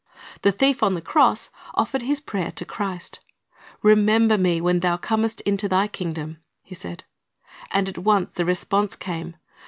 The thief on the cross offered his prayer to Chri.st. "Remember me when Thou comest into Thy kingdom,"^ he said. And at once the response came.